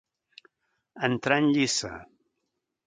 Entrar en lliça.